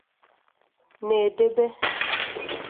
na-edebe